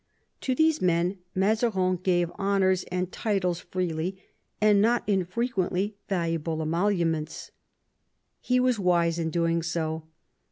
To these men Mazarin gave honours and titles freely, and not infrequently valuable emoluments. He was wise in doing so.